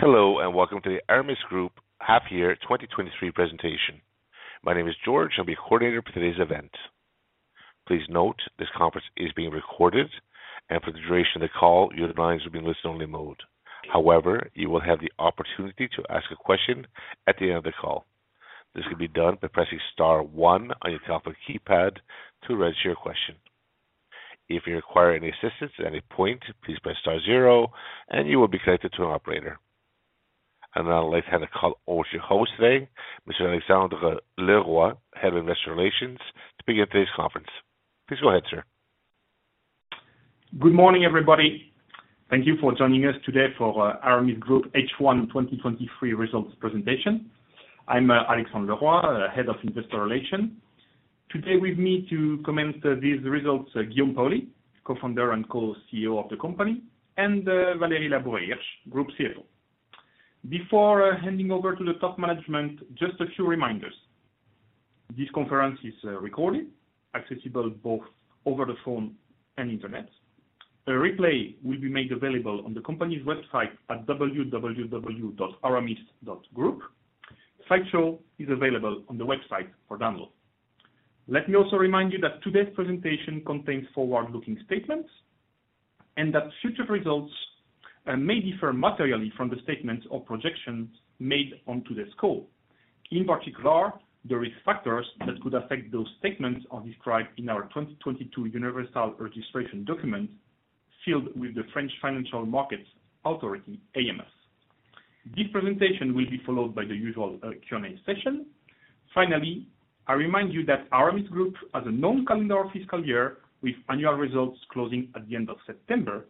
Hello, and welcome to the Aramis Group Half Year 2023 presentation. My name is George, I'll be coordinator for today's event. Please note, this conference is being recorded, and for the duration of the call, your lines will be in listen-only mode. However, you will have the opportunity to ask a question at the end of the call. This can be done by pressing star 1 on your telephone keypad to register your question. If you require any assistance at any point, please press star 0 and you will be connected to an operator. Now, let's have a call with your host today, Mr. Alexandre Leroy, Head of Investor Relations, to begin today's conference. Please go ahead, sir. Good morning, everybody. Thank you for joining us today for Aramis Group H1 2023 results presentation. I'm Alexandre Leroy, Head of Investor Relations. Today with me to comment these results, Guillaume Paoli, Co-founder and co-CEO of the company, and Fabien Geerolf, Group CFO. Before handing over to the top management, just a few reminders. This conference is recorded, accessible both over the phone and internet. A replay will be made available on the company's website at www.aramis.group. Slideshow is available on the website for download. Let me also remind you that today's presentation contains forward-looking statements, and that future results may differ materially from the statements or projections made on today's call. In particular, the risk factors that could affect those statements are described in our 2022 universal registration document, filed with the Autorité des marchés financiers, AMF. This presentation will be followed by the usual Q&A session. Finally, I remind you that Aramis Group has a non-calendar fiscal year, with annual results closing at the end of September.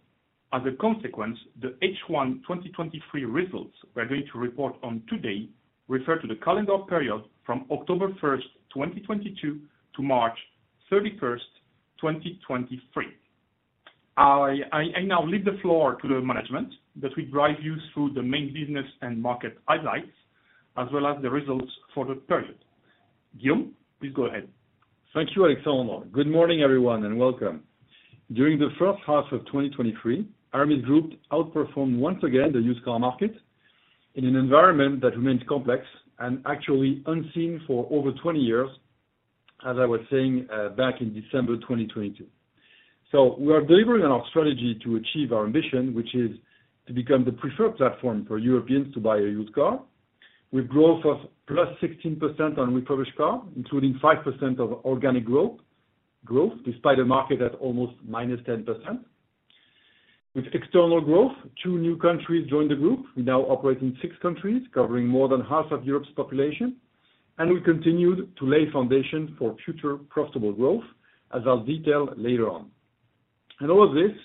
As a consequence, the H1 2023 results we're going to report on today refer to the calendar period from October 1, 2022, to March 31, 2023. I now leave the floor to the management, that will drive you through the main business and market highlights, as well as the results for the period. Guillaume, please go ahead. Thank you, Alexandre. Good morning, everyone, and welcome. During the first half of 2023, Aramis Group outperformed once again the used car market in an environment that remains complex and actually unseen for over 20 years, as I was saying, back in December 2022. We are delivering on our strategy to achieve our ambition, which is to become the preferred platform for Europeans to buy a used car, with growth of +16% on refurbished car, including 5% of organic growth, despite a market at almost -10%. With external growth, 2 new countries joined the group. We now operate in 6 countries, covering more than half of Europe's population, and we continued to lay foundation for future profitable growth, as I'll detail later on. All of this,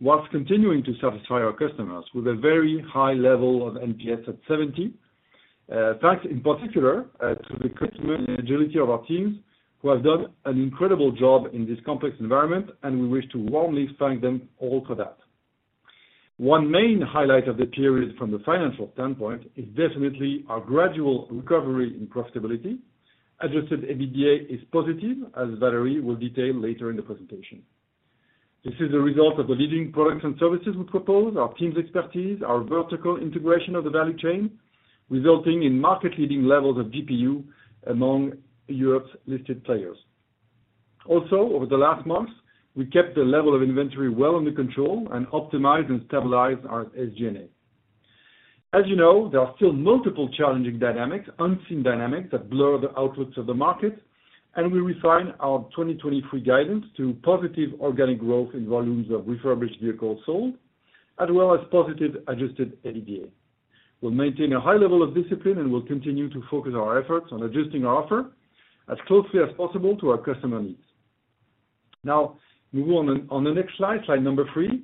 whilst continuing to satisfy our customers with a very high level of NPS at 70, thanks in particular to the commitment and agility of our teams, who have done an incredible job in this complex environment, and we wish to warmly thank them all for that. One main highlight of the period from the financial standpoint is definitely our gradual recovery in profitability. Adjusted EBITDA is positive, as Valerie will detail later in the presentation. This is a result of the leading products and services we propose, our team's expertise, our vertical integration of the value chain, resulting in market-leading levels of GPU among Europe's listed players. Also, over the last months, we kept the level of inventory well under control and optimized and stabilized our SG&A. As you know, there are still multiple challenging dynamics, unseen dynamics, that blur the outlooks of the market, we refine our 2023 guidance to positive organic growth in volumes of refurbished vehicles sold, as well as positive Adjusted EBITDA. We'll maintain a high level of discipline, we'll continue to focus our efforts on adjusting our offer as closely as possible to our customer needs. Move on the next slide number 3.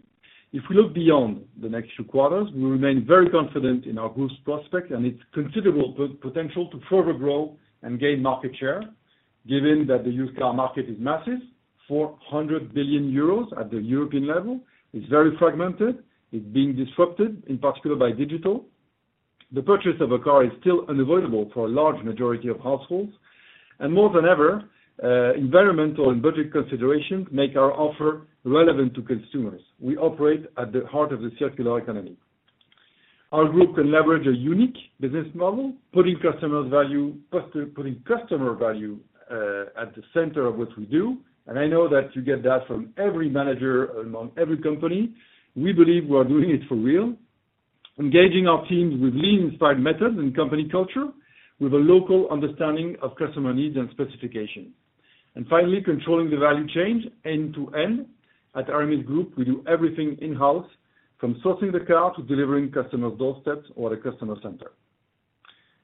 If we look beyond the next few quarters, we remain very confident in our group's prospect and its considerable potential to further grow and gain market share, given that the used car market is massive, 400 billion euros at the European level. It's very fragmented. It's being disrupted, in particular by digital. The purchase of a car is still unavoidable for a large majority of households. More than ever, environmental and budget considerations make our offer relevant to consumers. We operate at the heart of the circular economy. Our group can leverage a unique business model, putting customers value, putting customer value at the center of what we do, and I know that you get that from every manager among every company. We believe we are doing it for real, engaging our teams with lean-inspired methods and company culture, with a local understanding of customer needs and specifications. Finally, controlling the value chain end-to-end. At Aramis Group, we do everything in-house, from sourcing the car to delivering customers' doorsteps or the customer center.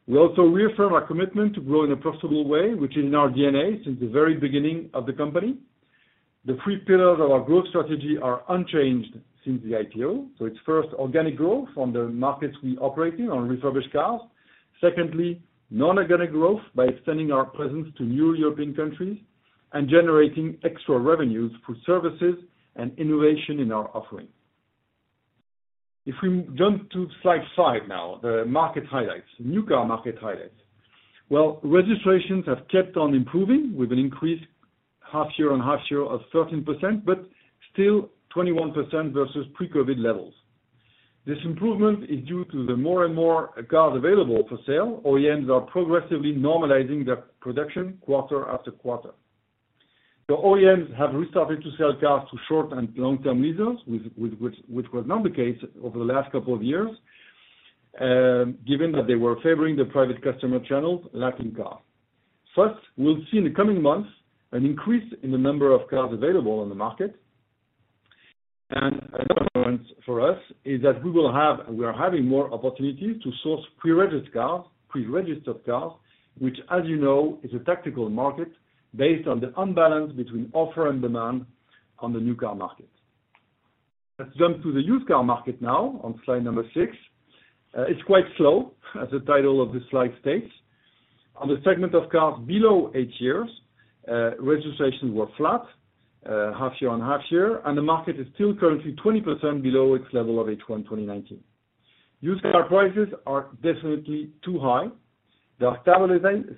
We also reaffirm our commitment to grow in a profitable way, which is in our DNA since the very beginning of the company. The three pillars of our growth strategy are unchanged since the IPO. It's first, organic growth on the markets we operate in on refurbished cars. Secondly, non-organic growth by extending our presence to new European countries and generating extra revenues through services and innovation in our offerings. If we jump to slide 5 now, the market highlights, new car market highlights. Registrations have kept on improving, with an increase half year on half year of 13%, but still 21% versus pre-COVID levels. This improvement is due to the more and more cars available for sale. OEMs are progressively normalizing their production quarter after quarter. The OEMs have restarted to sell cars to short and long-term leasers, with which was not the case over the last couple of years, given that they were favoring the private customer channels lacking cars. First, we'll see in the coming months an increase in the number of cars available on the market. Another point for us is that we are having more opportunities to source pre-registered cars, which, as you know, is a tactical market based on the unbalance between offer and demand on the new car market. Let's jump to the used car market now on slide number six. It's quite slow, as the title of this slide states. On the segment of cars below eight years, registrations were flat, half-year on half-year, and the market is still currently 20% below its level of H1 2019. Used car prices are definitely too high. They are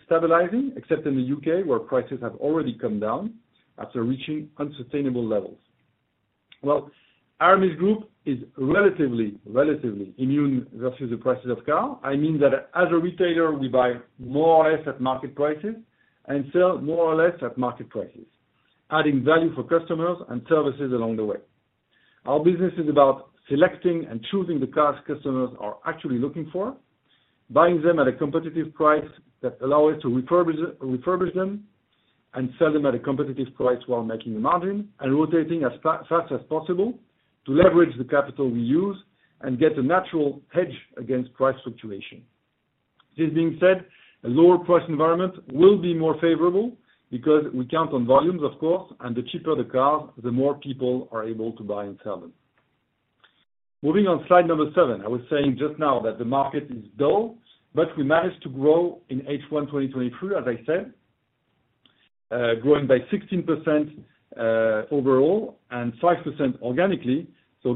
stabilizing, except in the U.K., where prices have already come down after reaching unsustainable levels. Well, Aramis Group is relatively immune versus the prices of car. I mean that as a retailer, we buy more or less at market prices and sell more or less at market prices, adding value for customers and services along the way. Our business is about selecting and choosing the cars customers are actually looking for, buying them at a competitive price that allow us to refurbish them, and sell them at a competitive price while making a margin, and rotating as fast as possible to leverage the capital we use and get a natural hedge against price fluctuation. This being said, a lower price environment will be more favorable because we count on volumes, of course, and the cheaper the car, the more people are able to buy and sell them. Moving on, slide number seven. I was saying just now that the market is dull, but we managed to grow in H1 2023, as I said, growing by 16% overall and 5% organically.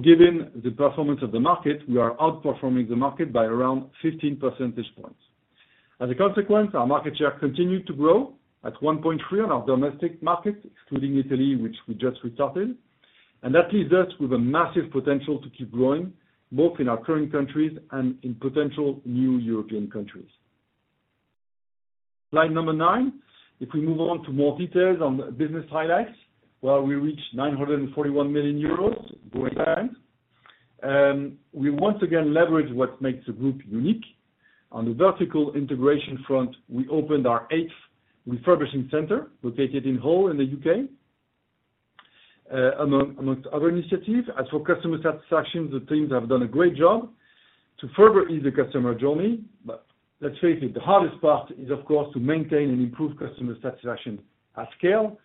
Given the performance of the market, we are outperforming the market by around 15 percentage points. As a consequence, our market share continued to grow at 1.3 on our domestic market, excluding Italy, which we just restarted. That leaves us with a massive potential to keep growing, both in our current countries and in potential new European countries. Slide number 9. If we move on to more details on the business highlights, while we reached 941 million euros growing time, we once again leverage what makes the group unique. On the vertical integration front, we opened our eighth refurbishing center, located in Hull, in the U.K., amongst other initiatives. As for customer satisfaction, the teams have done a great job to further ease the customer journey. Let's face it, the hardest part is, of course, to maintain and improve customer satisfaction at scale.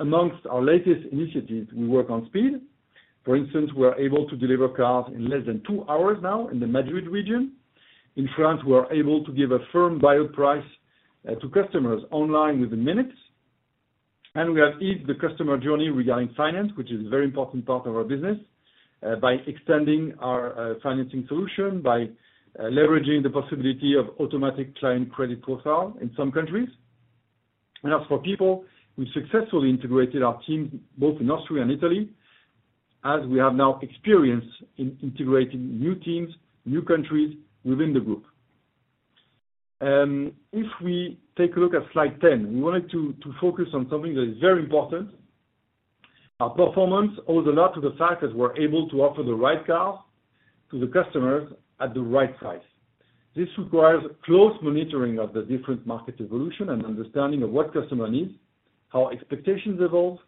Amongst our latest initiatives, we work on speed. For instance, we are able to deliver cars in less than 2 hours now in the Madrid region. In France, we are able to give a firm buyout price to customers online within minutes. We have eased the customer journey regarding finance, which is a very important part of our business, by extending our financing solution, by leveraging the possibility of automatic client credit profile in some countries. As for people, we successfully integrated our team both in Austria and Italy, as we have now experience in integrating new teams, new countries within the group. If we take a look at slide 10, we wanted to focus on something that is very important. Our performance owes a lot to the fact that we're able to offer the right car to the customers at the right price. This requires close monitoring of the different market evolution and understanding of what customer needs, how expectations evolve,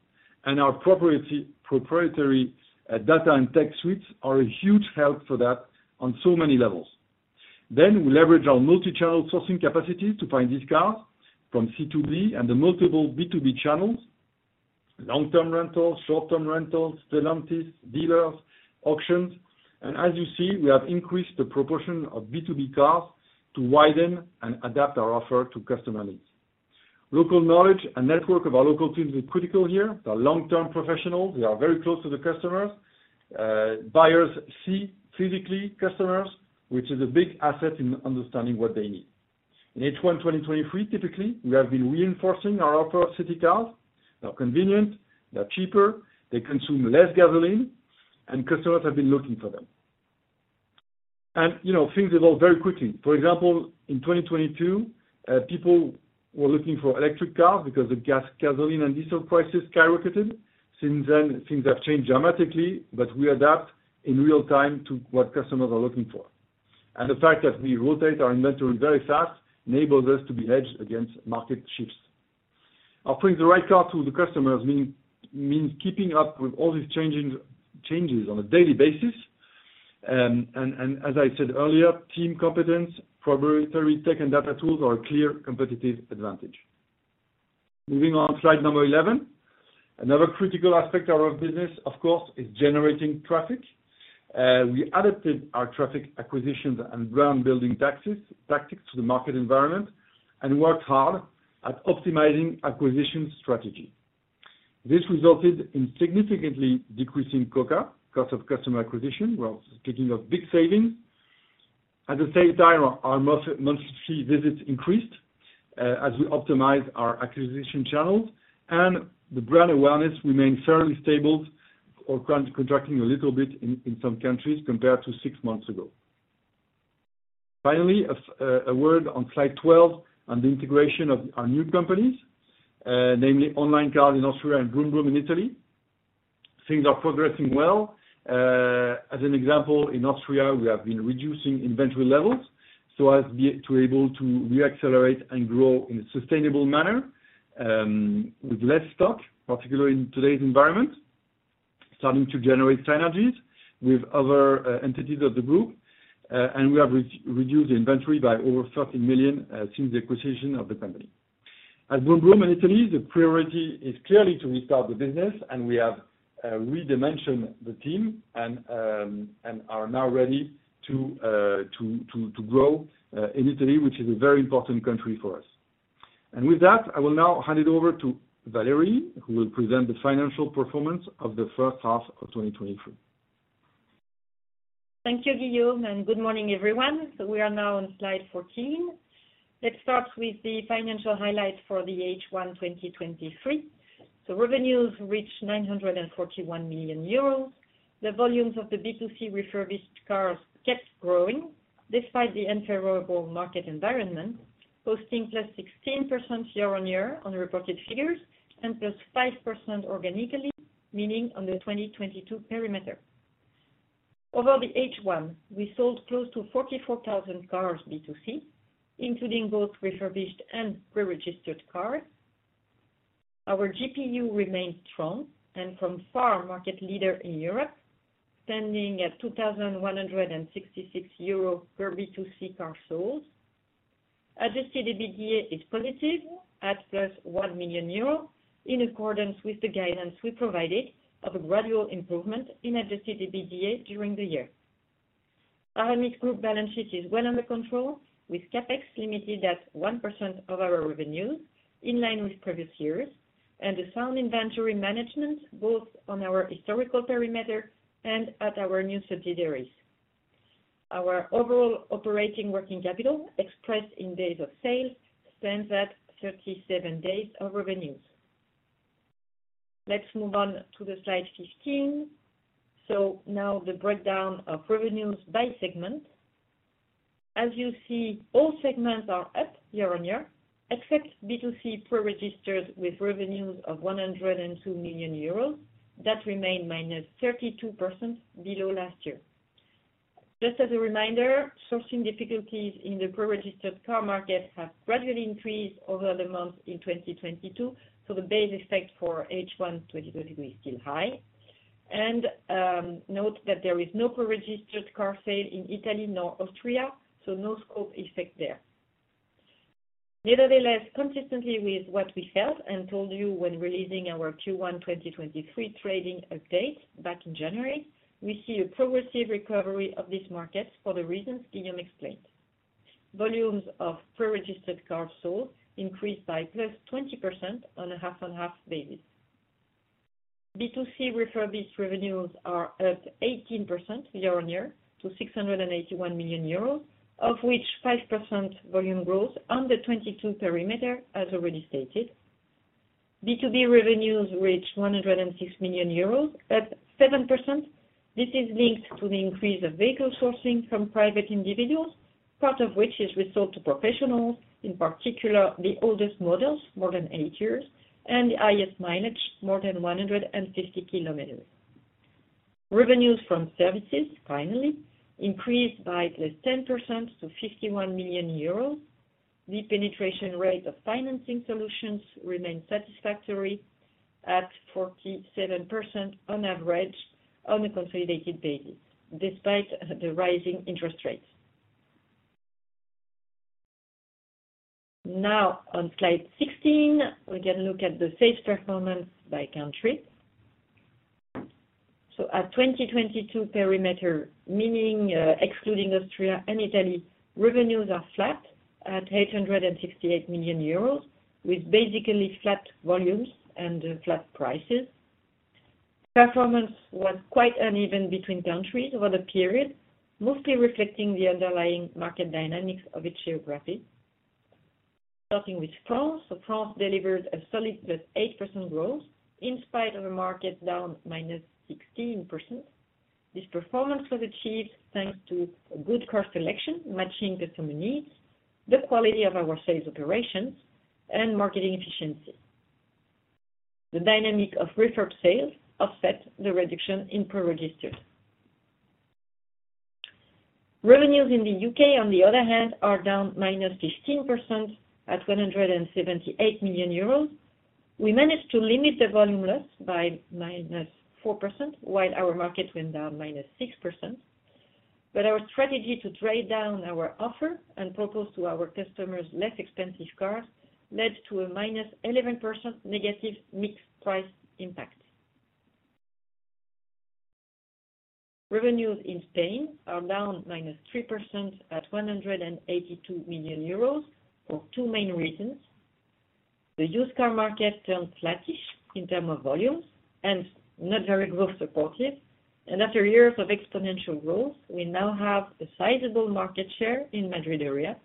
and our proprietary data and tech suites are a huge help for that on so many levels. We leverage our multi-channel sourcing capacity to find these cars from C2B and the multiple B2B channels, long-term rentals, short-term rentals, Stellantis, dealers, auctions. As you see, we have increased the proportion of B2B cars to widen and adapt our offer to customer needs. Local knowledge and network of our local teams is critical here. They are long-term professionals. They are very close to the customers. Buyers see physically customers, which is a big asset in understanding what they need. In H1,2023, typically, we have been reinforcing our offer of city cars. They are convenient, they are cheaper, they consume less gasoline, customers have been looking for them. You know, things evolve very quickly. For example, in 2022, people were looking for electric cars because the gasoline and diesel prices skyrocketed. Since then, things have changed dramatically, we adapt in real time to what customers are looking for. The fact that we rotate our inventory very fast enables us to be hedged against market shifts. Offering the right car to the customers means keeping up with all these changes on a daily basis. As I said earlier, team competence, proprietary tech and data tools are a clear competitive advantage. Moving on, slide number 11. Another critical aspect of our business, of course, is generating traffic. We adapted our traffic acquisitions and brand-building tactics to the market environment and worked hard at optimizing acquisition strategy. This resulted in significantly decreasing COCA, cost of customer acquisition. We are speaking of big savings. At the same time, our monthly visits increased as we optimize our acquisition channels, and the brand awareness remains fairly stable or contracting a little bit in some countries compared to six months ago. Finally, a word on slide 12 on the integration of our new companies, namely Onlinecars in Austria and Brumbrum in Italy. Things are progressing well. As an example, in Austria, we have been reducing inventory levels so as be-- to able to re-accelerate and grow in a sustainable manner, with less stock, particularly in today's environment, starting to generate synergies with other, entities of the group, and we have reduced the inventory by over 30 million, since the acquisition of the company. At Brumbrum in Italy, the priority is clearly to restart the business, and we have, redimensioned the team and are now ready to grow, in Italy, which is a very important country for us. With that, I will now hand it over to Valerie, who will present the financial performance of the first half of 2023. Thank you, Guillaume, and good morning, everyone. We are now on slide 14. Let's start with the financial highlights for the H1 2023. Revenues reached 941 million euros. The volumes of the B2C refurbished cars kept growing despite the unfavorable market environment, posting +16% year-on-year on reported figures and +5% organically, meaning on the 2022 perimeter. Over the H1, we sold close to 44,000 cars B2C, including both refurbished and pre-registered cars. Our GPU remained strong and from far market leader in Europe, standing at 2,166 euros per B2C car sold. Adjusted EBITDA is positive at +1 million euros, in accordance with the guidance we provided of a gradual improvement in Adjusted EBITDA during the year. Aramis Group balance sheet is well under control, with CapEx limited at 1% of our revenues, in line with previous years, and a sound inventory management, both on our historical perimeter and at our new subsidiaries. Our overall operating working capital, expressed in days of sales, stands at 37 days of revenues. Let's move on to slide 15. Now the breakdown of revenues by segment. As you see, all segments are up year-on-year, except B2C pre-registered, with revenues of 102 million euros. That remained -32% below last year. Just as a reminder, sourcing difficulties in the pre-registered car market have gradually increased over the months in 2022, so the base effect for H1 2023 is still high. Note that there is no pre-registered car sale in Italy, nor Austria, so no scope effect there. Nevertheless, consistently with what we felt and told you when releasing our Q1 2023 trading update back in January, we see a progressive recovery of this market for the reasons Guillaume explained. Volumes of pre-registered cars sold increased by +20% on a half-on-half basis. B2C refurbished revenues are up 18% year-on-year to 681 million euros, of which 5% volume growth on the 22 perimeter, as already stated. B2B revenues reached 106 million euros, at 7%. This is linked to the increase of vehicle sourcing from private individuals, part of which is resold to professionals, in particular, the oldest models, more than 8 years, and the highest mileage, more than 150 km. Revenues from services, finally, increased by +10% to 51 million euros. The penetration rate of financing solutions remained satisfactory at 47% on average on a consolidated basis, despite the rising interest rates. On slide 16, we can look at the sales performance by country. At 2022 perimeter, meaning, excluding Austria and Italy, revenues are flat at 868 million euros, with basically flat volumes and flat prices. Performance was quite uneven between countries over the period, mostly reflecting the underlying market dynamics of each geography. Starting with France. France delivered a solid but 8% growth in spite of a market down -16%. This performance was achieved thanks to a good car selection, matching the customer needs, the quality of our sales operations, and marketing efficiency. The dynamic of refurb sales offset the reduction in pre-registered. Revenues in the UK, on the other hand, are down -15% at 178 million euros. We managed to limit the volume loss by -4%, while our market went down -6%. Our strategy to trade down our offer and propose to our customers less expensive cars led to a -11% negative mix price impact. Revenues in Spain are down -3% at 182 million euros for two main reasons. The used car market turned flattish in terms of volumes and not very growth supportive. After years of exponential growth, we now have a sizable market share in Madrid area.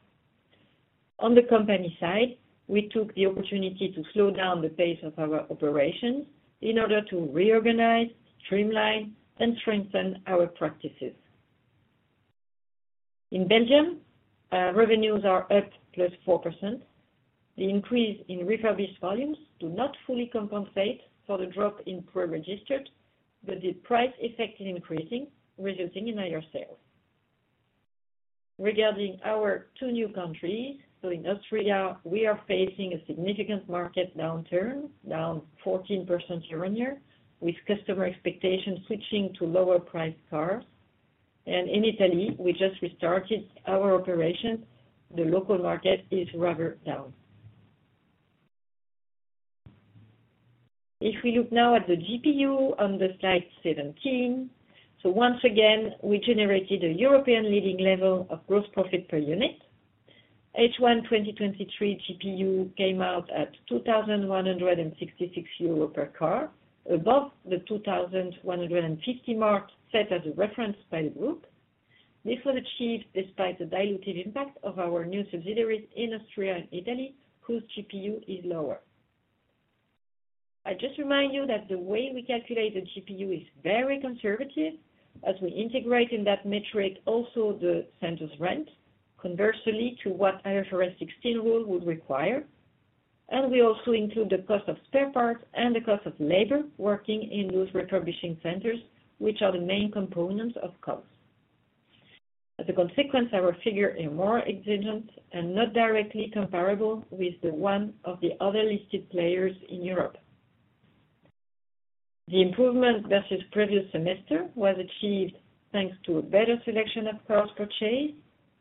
On the company side, we took the opportunity to slow down the pace of our operations in order to reorganize, streamline, and strengthen our practices. In Belgium, revenues are up +4%. The increase in refurbished volumes do not fully compensate for the drop in pre-registered, but the price effect is increasing, resulting in higher sales. Regarding our two new countries, in Austria, we are facing a significant market downturn, down 14% year-over-year, with customer expectations switching to lower priced cars. In Italy, we just restarted our operations. The local market is rather down. If we look now at the GPU on slide 17, once again, we generated a European leading level of gross profit per unit. H1 2023 GPU came out at 2,166 euro per car, above the 2,150 mark, set as a reference by the group. This was achieved despite the dilutive impact of our new subsidiaries in Austria and Italy, whose GPU is lower. I just remind you that the way we calculate the GPU is very conservative, as we integrate in that metric also the centers rent, conversely, to what IFRS 16 rule would require. We also include the cost of spare parts and the cost of labor working in those refurbishing centers, which are the main components of costs. As a consequence, our figure is more exigent and not directly comparable with the one of the other listed players in Europe. The improvement versus previous semester was achieved, thanks to a better selection of cars purchased,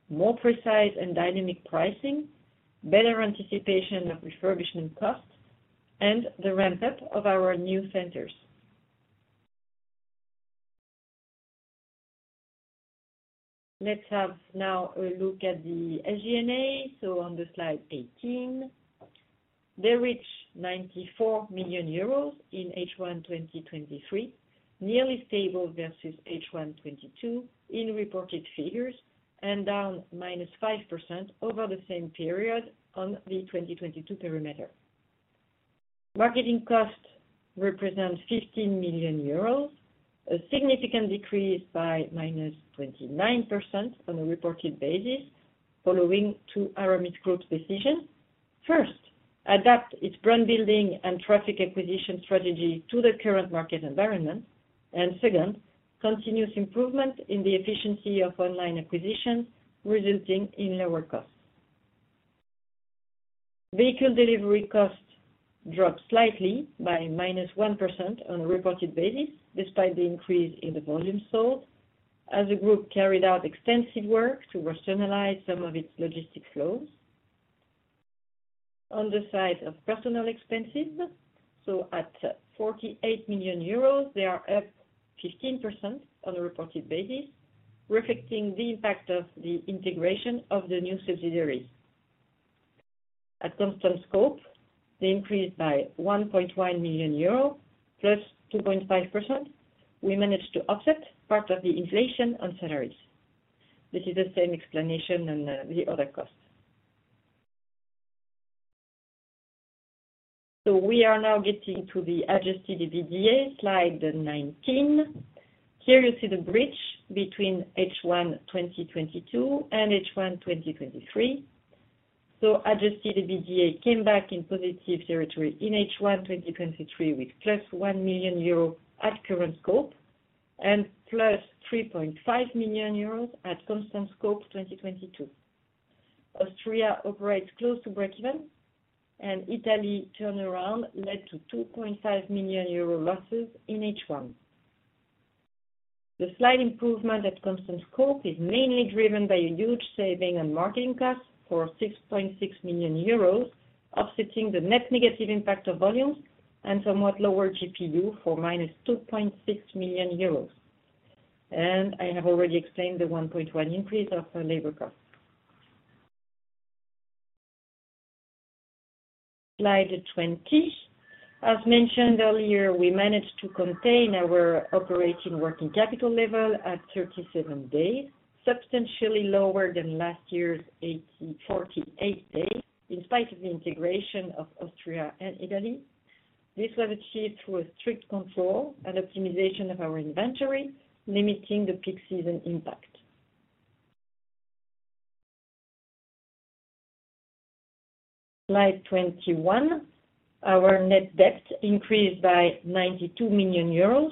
more precise and dynamic pricing, better anticipation of refurbishment costs, and the ramp-up of our new centers. Let's have now a look at the SG&A, on the slide 18. They reach 94 million euros in H1 2023, nearly stable versus H1 2022 in reported figures, down -5% over the same period on the 2022 perimeter. Marketing costs represents 15 million euros, a significant decrease by -29% on a reported basis, following to Aramis Group's decision. First, adapt its brand building and traffic acquisition strategy to the current market environment. Second, continuous improvement in the efficiency of online acquisitions, resulting in lower costs. Vehicle delivery costs dropped slightly by -1% on a reported basis, despite the increase in the volume sold, as the group carried out extensive work to rationalize some of its logistics flows. On the side of personal expenses, at 48 million euros, they are up 15% on a reported basis, reflecting the impact of the integration of the new subsidiaries. At constant scope, they increased by 1.1 million euro, +2.5%. We managed to offset part of the inflation on salaries. This is the same explanation on the other costs. We are now getting to the Adjusted EBITDA, slide 19. Here you see the bridge between H1 2022 and H1 2023. Adjusted EBITDA came back in positive territory in H1 2023 with +1 million euros at current scope and +3.5 million euros at constant scope 2022. Austria operates close to breakeven, and Italy turnaround led to 2.5 million euro losses in H1. The slight improvement at constant scope is mainly driven by a huge saving on marketing costs for 6.6 million euros, offsetting the net negative impact of volumes and somewhat lower GPU for -2.6 million euros. I have already explained the 1.1 increase of labor costs. Slide 20. As mentioned earlier, we managed to contain our operating working capital level at 37 days, substantially lower than last year's 48 days, in spite of the integration of Austria and Italy. This was achieved through a strict control and optimization of our inventory, limiting the peak season impact. Slide 21, our net debt increased by 92 million euros,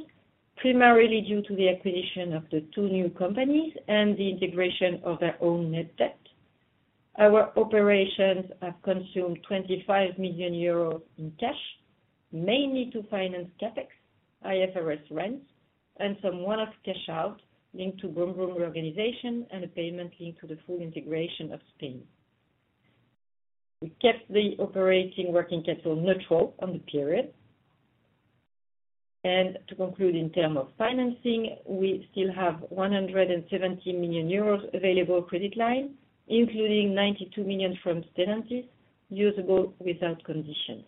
primarily due to the acquisition of the two new companies and the integration of their own net debt. Our operations have consumed 25 million euros in cash, mainly to finance CapEx, IFRS rents, and some one-off cash out linked to Brumbrum reorganization and a payment linked to the full integration of Spain. We kept the operating working capital neutral on the period. To conclude, in term of financing, we still have 170 million euros available credit line, including 92 million from Stellantis, usable without condition.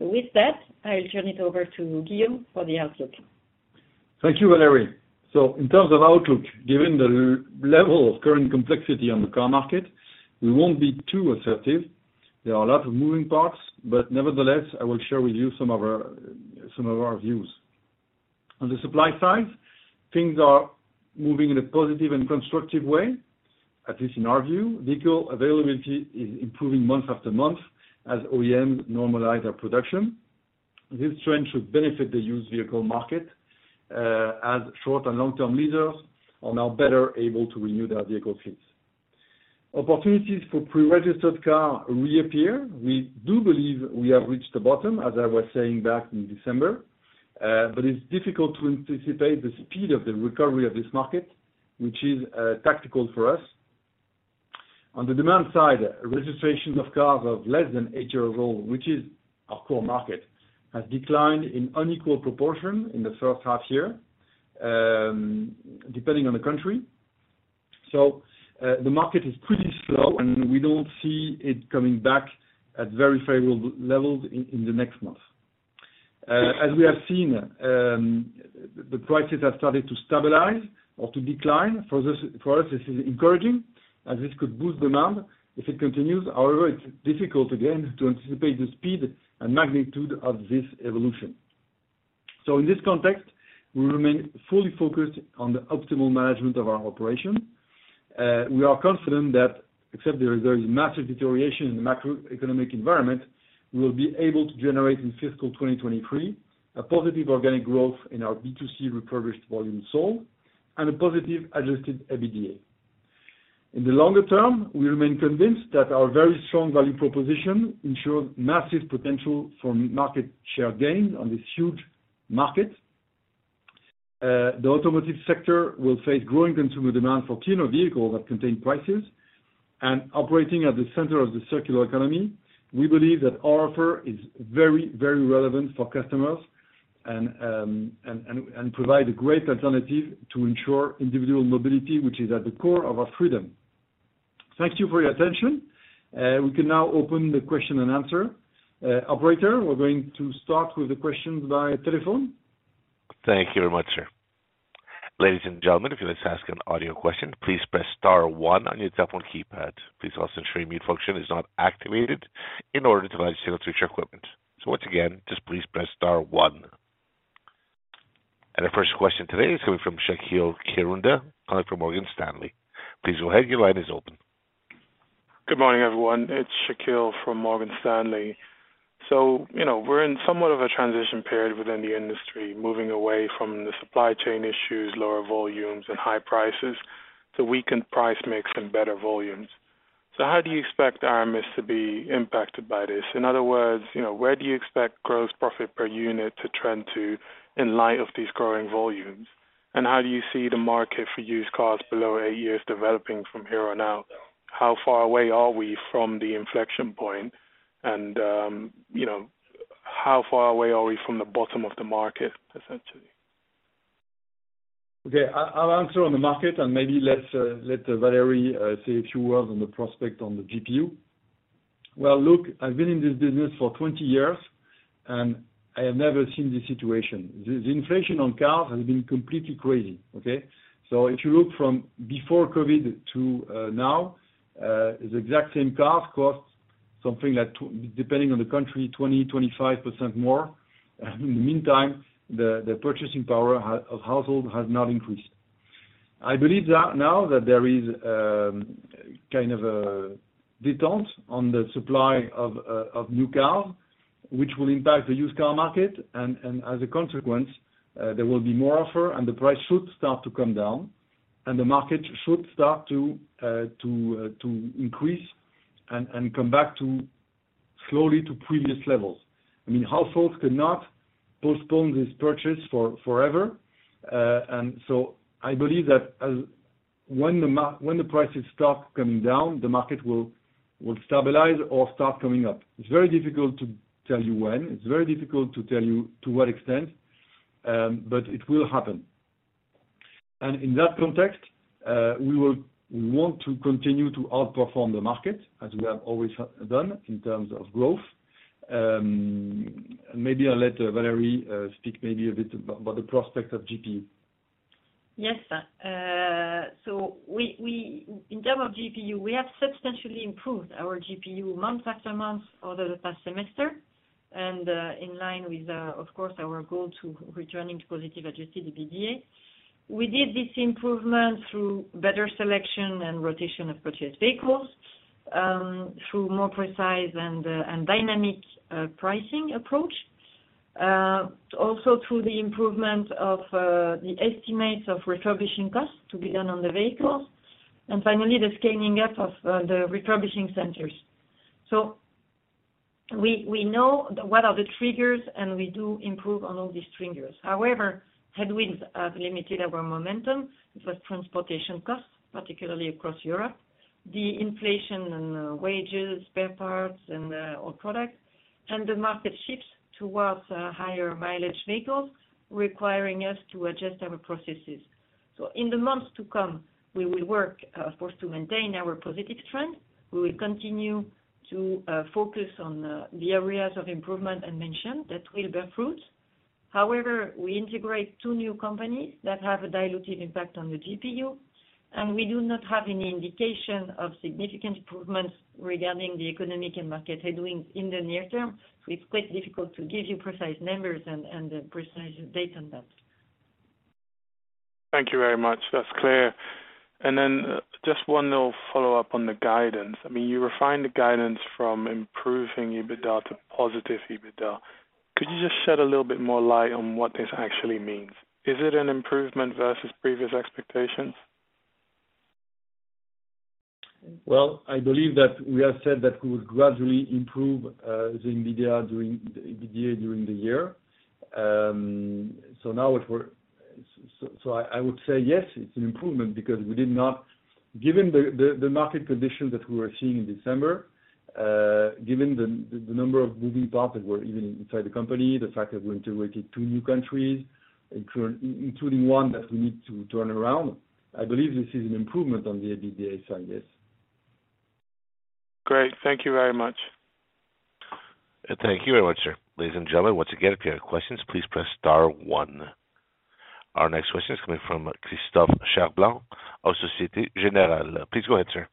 With that, I'll turn it over to Guillaume for the outlook. Thank you, Valerie. In terms of outlook, given the level of current complexity on the car market, we won't be too assertive. There are a lot of moving parts, but nevertheless, I will share with you some of our views. On the supply side, things are moving in a positive and constructive way, at least in our view. Vehicle availability is improving month after month as OEM normalize our production. This trend should benefit the used vehicle market, as short and long-term leaders are now better able to renew their vehicle fleets. Opportunities for pre-registered car reappear. We do believe we have reached the bottom, as I was saying back in December, but it's difficult to anticipate the speed of the recovery of this market, which is tactical for us. On the demand side, registration of cars of less than eight years old, which is our core market, has declined in unequal proportion in the first half year, depending on the country. The market is pretty slow, and we don't see it coming back at very favorable levels in the next month. As we have seen, the prices have started to stabilize or to decline. For this, for us, this is encouraging, as this could boost demand if it continues. However, it's difficult, again, to anticipate the speed and magnitude of this evolution. In this context, we remain fully focused on the optimal management of our operation. We are confident that except there is very massive deterioration in the macroeconomic environment, we will be able to generate in fiscal 2023, a positive organic growth in our B2C refurbished volume sold, and a positive Adjusted EBITDA. In the longer term, we remain convinced that our very strong value proposition ensures massive potential for market share gain on this huge market. The automotive sector will face growing consumer demand for cleaner vehicles that contain prices, and operating at the center of the circular economy, we believe that our offer is very, very relevant for customers and provide a great alternative to ensure individual mobility, which is at the core of our freedom. Thank you for your attention. We can now open the question and answer. Operator, we're going to start with the questions via telephone. Thank you very much, sir. Ladies and gentlemen, if you'd just ask an audio question, please press star 1 on your telephone keypad. Please also ensure your mute function is not activated in order to provide signal to your equipment. Once again, just please press star 1. Our first question today is coming from Shaqeal Kirunda, analyst from Morgan Stanley. Please go ahead, your line is open. Good morning, everyone. It's Shaqeal from Morgan Stanley. You know, we're in somewhat of a transition period within the industry, moving away from the supply chain issues, lower volumes and high prices, to weakened price mix and better volumes. How do you expect Aramis to be impacted by this? In other words, you know, where do you expect Gross Profit per Unit to trend to in light of these growing volumes? How do you see the market for used cars below eight years developing from here on out? How far away are we from the inflection point? You know, how far away are we from the bottom of the market, essentially? Okay, I'll answer on the market, and maybe let Valerie say a few words on the prospect on the GPU. Well, look, I've been in this business for 20 years, and I have never seen this situation. The inflation on cars has been completely crazy, okay? If you look from before COVID to now, the exact same cars costs something like, depending on the country, 20%-25% more. In the meantime, the purchasing power of household has not increased. I believe that now that there is kind of a detent on the supply of new cars, which will impact the used car market, and as a consequence, there will be more offer, and the price should start to come down, and the market should start to increase and come back to slowly to previous levels. I mean, households cannot postpone this purchase forever. I believe that as when the prices start coming down, the market will stabilize or start coming up. It's very difficult to tell you when. It's very difficult to tell you to what extent, but it will happen. In that context, we will want to continue to outperform the market, as we have always done in terms of growth. Maybe I'll let Valerie speak maybe a bit about the prospects of GPU. Yes, sir. In terms of GPU, we have substantially improved our GPU month after month over the past semester, in line with, of course, our goal to returning to positive Adjusted EBITDA. We did this improvement through better selection and rotation of purchased vehicles, through more precise and dynamic pricing approach, also through the improvement of the estimates of refurbishing costs to be done on the vehicles, and finally, the scaling up of the refurbishing centers. We know what are the triggers, and we do improve on all these triggers. However, headwinds have limited our momentum with transportation costs, particularly across Europe, the inflation and wages, spare parts, and all products, and the market shifts towards higher mileage vehicles, requiring us to adjust our processes. In the months to come, we will work, of course, to maintain our positive trend. We will continue to focus on the areas of improvement I mentioned, that will bear fruit. However, we integrate two new companies that have a dilutive impact on the GPU, and we do not have any indication of significant improvements regarding the economic and market headwind in the near term, it's quite difficult to give you precise numbers and a precise date on that. Thank you very much. That's clear. Just one little follow-up on the guidance. I mean, you refined the guidance from improving EBITDA to positive EBITDA. Could you just shed a little bit more light on what this actually means? Is it an improvement versus previous expectations? Well, I believe that we have said that we will gradually improve the EBITDA during the year. I would say, yes, it's an improvement given the market conditions that we were seeing in December, given the number of moving parts that were even inside the company, the fact that we integrated two new countries, including one that we need to turn around, I believe this is an improvement on the EBITDA side, yes. Great. Thank you very much. Thank you very much, sir. Ladies and gentlemen, once again, if you have questions, please press star one. Our next question is coming from Christophe Charpentier of Societe Generale. Please go ahead, sir.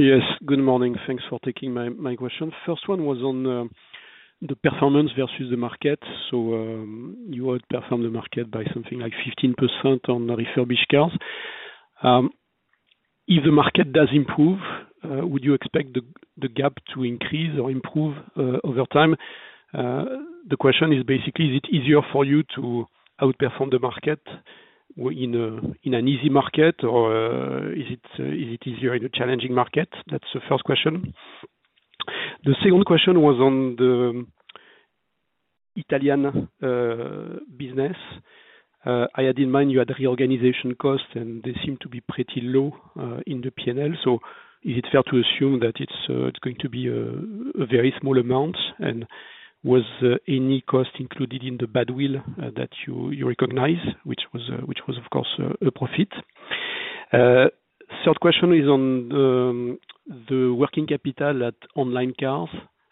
Yes, good morning. Thanks for taking my question. First one was on the performance versus the market. You outperformed the market by something like 15% on refurbished cars. If the market does improve, would you expect the gap to increase or improve over time? The question is basically, is it easier for you to outperform the market in a, in an easy market, or is it easier in a challenging market? That's the first question. The second question was on the Italian business. I had in mind you had reorganization costs, and they seemed to be pretty low in the P&L. Is it fair to assume that it's going to be a very small amount? Was any cost included in the Badwill that you recognized, which was, of course, a profit? Third question is on the working capital at Onlinecars.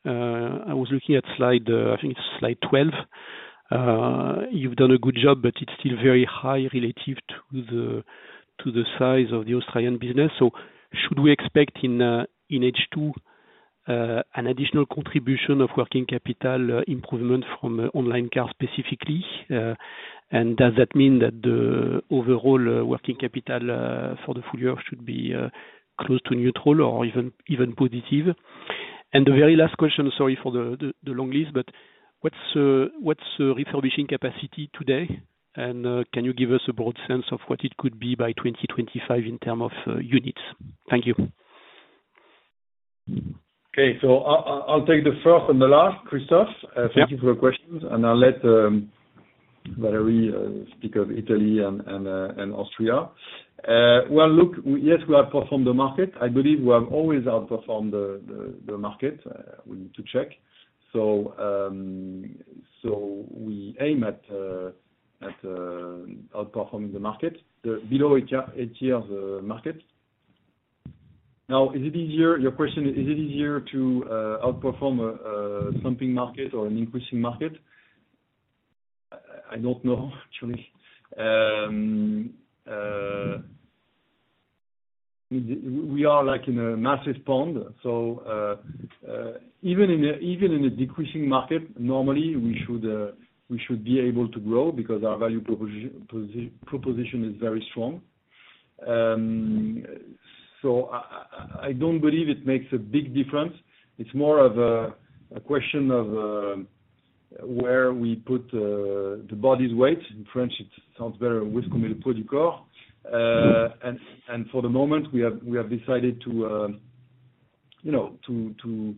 I was looking at slide, I think it's slide 12. You've done a good job, but it's still very high relative to the size of the Austrian business. Should we expect in H2 an additional contribution of working capital improvement from Onlinecars specifically? Does that mean that the overall working capital for the full year should be close to neutral or even positive? The very last question, sorry for the long list, but what's what's refurbishing capacity today? can you give us a broad sense of what it could be by 2025 in term of units? Thank you. Okay. I'll take the first and the last, Christophe. Yeah. Thank you for your questions, I'll let Valerie speak of Italy and Austria. Well, look, yes, we have performed the market. I believe we have always outperformed the market. We need to check. We aim at outperforming the market, the below HES market. Is it easier, your question, is it easier to outperform a slumping market or an increasing market? I don't know, actually. We are like in a massive pond, so even in a decreasing market, normally we should be able to grow because our value proposition is very strong. I don't believe it makes a big difference. It's more of a question of where we put the body's weight. In French, it sounds better, où est-ce qu'on met le poids du corps. For the moment, we have decided to, you know, to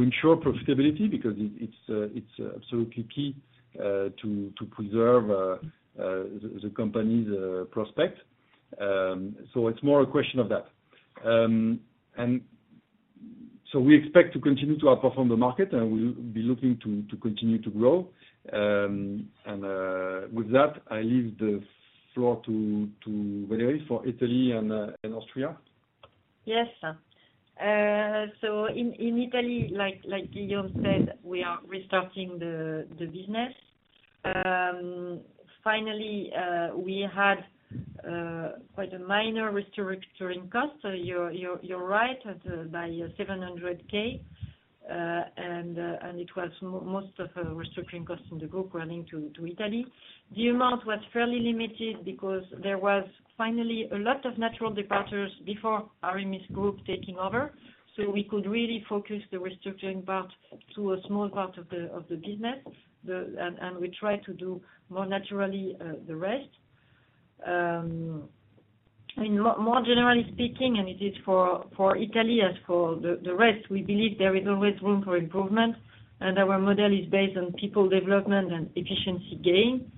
ensure profitability because it's absolutely key to preserve the company's prospect. It's more a question of that. We expect to continue to outperform the market, and we'll be looking to continue to grow. With that, I leave the floor to Valerie for Italy and Austria. Yes. So in Italy, like Guillaume said, we are restarting the business. Finally, we had quite a minor restructuring cost. So you're right, at by 700K, and it was most of the restructuring costs in the group running to Italy. The amount was fairly limited because there was finally a lot of natural departures before Aramis Group taking over, so we could really focus the restructuring part to a small part of the business. We try to do more naturally the rest. In more generally speaking, it is for Italy as for the rest, we believe there is always room for improvement, our model is based on people development and efficiency gain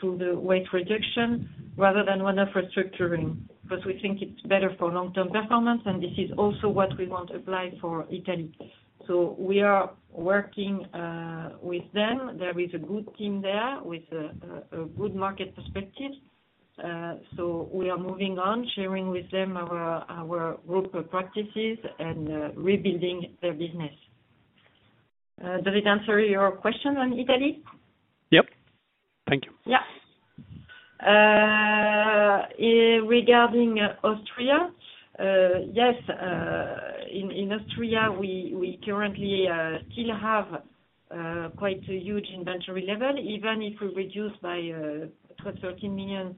through the weight reduction rather than one of restructuring, because we think it's better for long-term performance, this is also what we want to apply for Italy. We are working with them. There is a good team there with a good market perspective. We are moving on, sharing with them our group practices and rebuilding their business. Does it answer your question on Italy? Yep. Thank you. Regarding Austria, yes, in Austria, we currently still have quite a huge inventory level. Even if we reduce by 12 million-13 million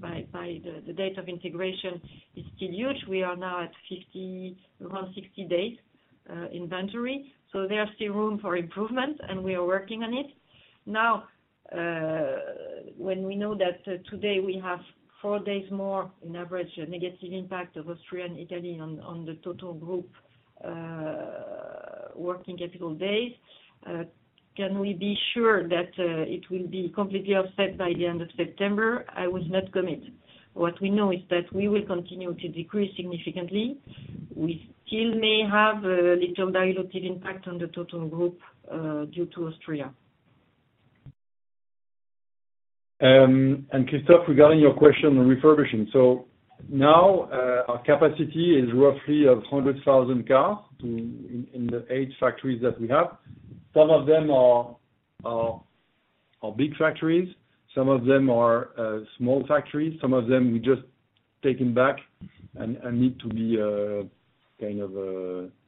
by the date of integration, it's still huge. We are now at 50, around 60 days inventory, so there are still room for improvement, and we are working on it. When we know that today we have 4 days more in average, a negative impact of Austria and Italy on the total group working capital days, can we be sure that it will be completely offset by the end of September? I will not commit. What we know is that we will continue to decrease significantly. We still may have a little dilutive impact on the total group due to Austria. Christophe Charpentier, regarding your question on refurbishing. Now, our capacity is roughly 100,000 cars in the 8 factories that we have. Some of them are big factories, some of them are small factories, some of them we just taken back and need to be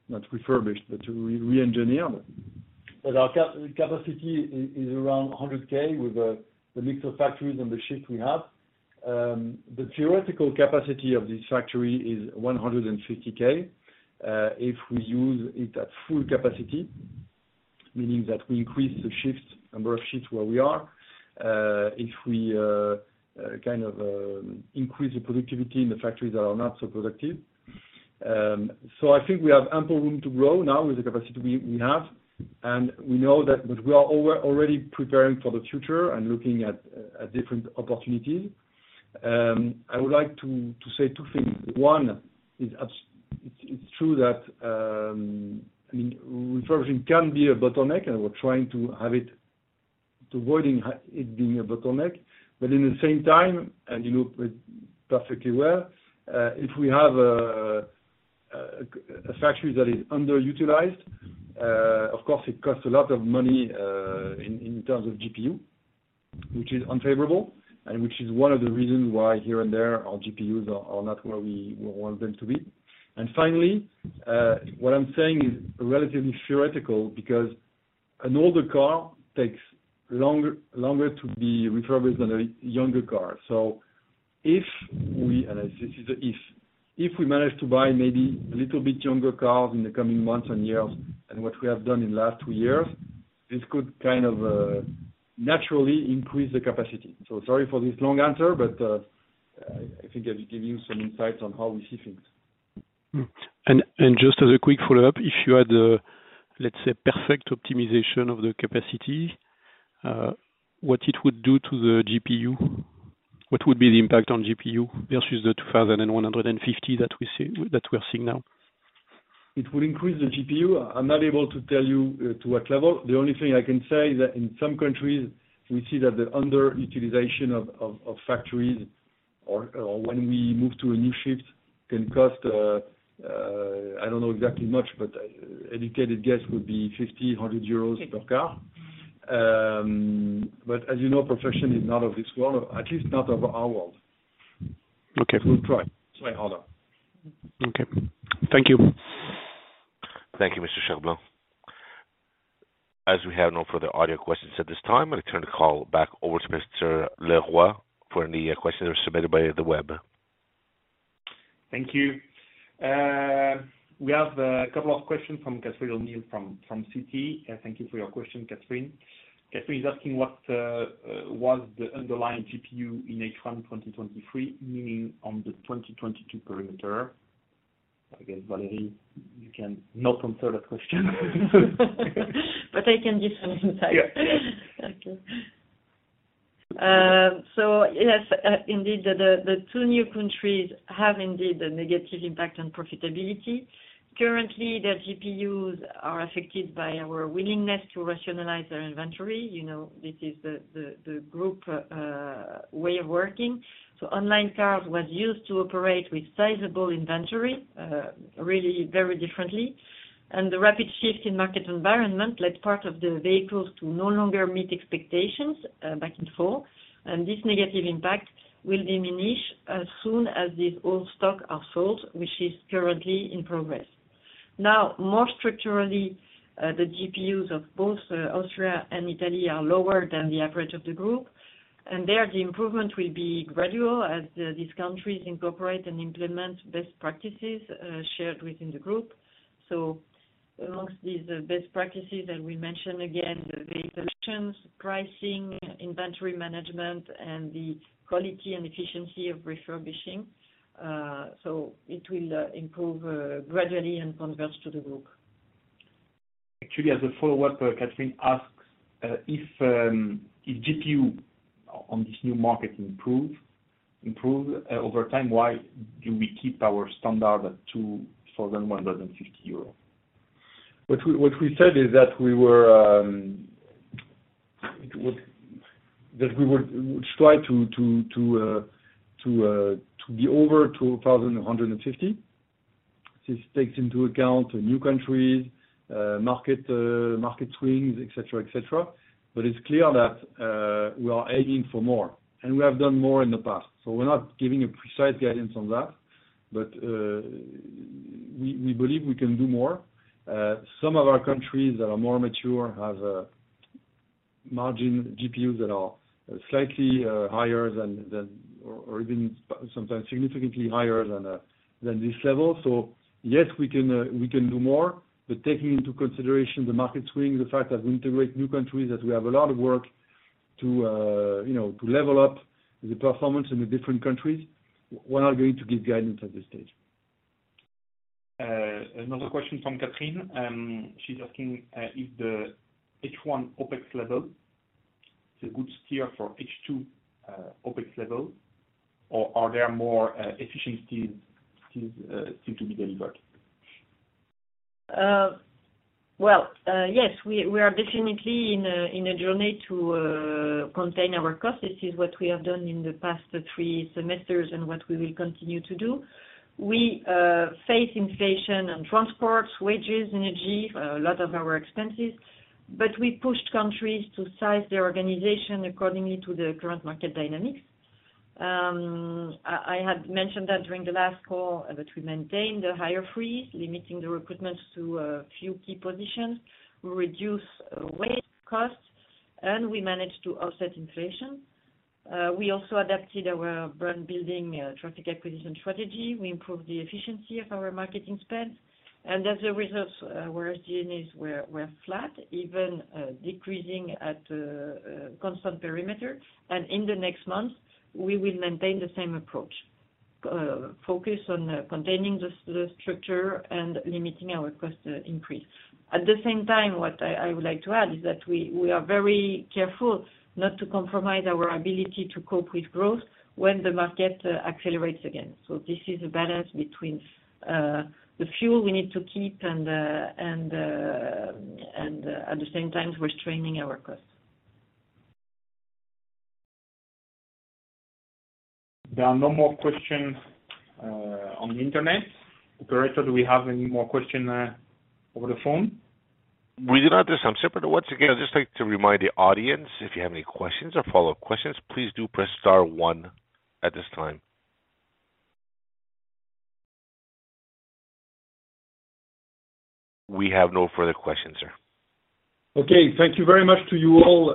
not refurbished, but reengineered. Our capacity is around 100K with the mix of factories and the shift we have. The theoretical capacity of this factory is 150K if we use it at full capacity, meaning that we increase the shifts, number of shifts where we are, if we increase the productivity in the factories that are not so productive. I think we have ample room to grow now with the capacity we have, and we know that, but we are already preparing for the future and looking at different opportunities. I would like to say two things. One, it's true that, I mean, refurbishing can be a bottleneck, and we're trying to have it being a bottleneck. In the same time, and you know, it perfectly well, if we have a factory that is underutilized, of course, it costs a lot of money in terms of GPU, which is unfavorable, and which is one of the reasons why here and there, our GPUs are not where we would want them to be. Finally, what I'm saying is relatively theoretical, because an older car takes longer to be refurbished than a younger car. If we, and this is a if we manage to buy maybe a little bit younger cars in the coming months and years, and what we have done in last two years, this could kind of, naturally increase the capacity. Sorry for this long answer, but, I think I've given you some insights on how we see things. Just as a quick follow-up, if you had, let's say, perfect optimization of the capacity, what it would do to the GPU? What would be the impact on GPU versus the 2,150 that we are seeing now? It will increase the GPU. I'm not able to tell you to what level. The only thing I can say is that in some countries, we see that the underutilization of factories or when we move to a new shift can cost I don't know exactly much, but educated guess would be 50-100 euros per car. As you know, perfection is not of this world, at least not of our world. Okay. We'll try. Try harder. Okay. Thank you. Thank you, Mr. Charpentier. As we have no further audio questions at this time, I'll turn the call back over to Mr. Leroy for any questions submitted by the web. Thank you. We have a couple of questions from Catherine O'Neill, from Citi. Thank you for your question, Catherine. Catherine is asking what was the underlying GPU in H1 2023, meaning on the 2022 perimeter? I guess, Valerie, you cannot answer that question. I can give some insight. Yeah. Thank you. Yes, indeed, the two new countries have indeed a negative impact on profitability. Currently, the GPUs are affected by our willingness to rationalize their inventory. You know, this is the group way of working. Onlinecars was used to operate with sizable inventory, really very differently. The rapid shift in market environment led part of the vehicles to no longer meet expectations, back and forth. This negative impact will diminish as soon as these old stock are sold, which is currently in progress. Now, more structurally, the GPUs of both Austria and Italy are lower than the average of the group, and there, the improvement will be gradual as these countries incorporate and implement best practices shared within the group. amongst these best practices that we mentioned, again, the solutions, pricing, inventory management, and the quality and efficiency of refurbishing, so it will improve gradually and converge to the group. Actually, as a follow-up, Catherine asks if GPU on this new market improve over time, why do we keep our standard at 2,150 euros? What we said is that we would strive to be over 2,150. This takes into account new countries, market swings, et cetera, et cetera. It's clear that we are aiming for more, and we have done more in the past, we're not giving a precise guidance on that. We believe we can do more. Some of our countries that are more mature have a margin GPUs that are slightly higher than, or even sometimes significantly higher than this level. Yes, we can, we can do more, but taking into consideration the market swing, the fact that we integrate new countries, that we have a lot of work to, you know, to level up the performance in the different countries, we're not going to give guidance at this stage. Another question from Catherine. She's asking if the H1 OpEx level is a good steer for H2 OpEx level, or are there more efficiencies still to be delivered? Well, yes, we are definitely in a journey to contain our costs. This is what we have done in the past three semesters and what we will continue to do. We face inflation on transports, wages, energy, a lot of our expenses, but we pushed countries to size their organization accordingly to the current market dynamics. I had mentioned that during the last call, that we maintain the higher freeze, limiting the recruitment to a few key positions. We reduce wage costs, and we managed to offset inflation. We also adapted our brand building traffic acquisition strategy. We improved the efficiency of our marketing spend, and as a result, where GDNs were flat, even decreasing at constant perimeter. In the next months, we will maintain the same approach, focus on containing the structure and limiting our cost increase. At the same time, what I would like to add, is that we are very careful not to compromise our ability to cope with growth when the market accelerates again. This is a balance between the fuel we need to keep and at the same time, restraining our costs. There are no more questions on the internet. Operator, do we have any more questions over the phone? We do not at this time, sir. Once again, I'd just like to remind the audience, if you have any questions or follow-up questions, please do press star one at this time. We have no further questions, sir. Okay. Thank you very much to you all,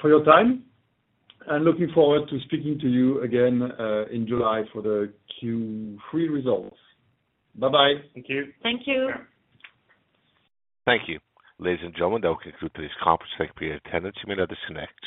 for your time. Looking forward to speaking to you again, in July for the Q3 results. Bye-bye. Thank you. Thank you. Thank you. Ladies and gentlemen, that will conclude this conference. Thank you for your attendance. You may now disconnect.